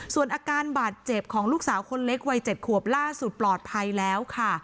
ส่วนอาการบาดเจ็บของลูกสาวคนเล็กวัย๗ขวบล่าสุดปลอดภัยแล้วค่ะ